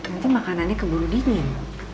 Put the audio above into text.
nanti makanannya keburu dingin